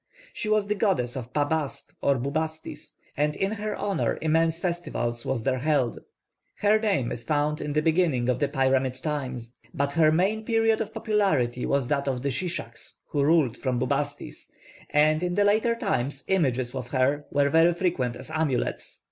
She was the goddess of Pa bast or Bubastis, and in her honour immense festivals were there held. Her name is found in the beginning of the pyramid times; but her main period of popularity was that of the Shishaks who ruled from Bubastis, and in the later times images of her were very frequent as amulets.